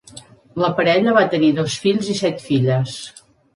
La parella va tenir dos fills i set filles.